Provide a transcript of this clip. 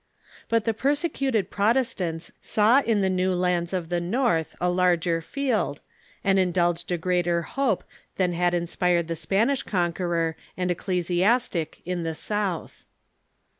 But the persecuted Protestants saw in the new lands of the North a larger held, and indulged a greater hope than had ins})ired the Spanish conqueror and ecclesiastic in the South.